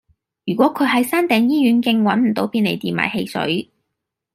如果佢喺山頂醫院徑搵唔到便利店買汽水